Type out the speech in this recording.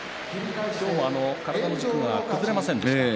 体の軸が崩れませんでした。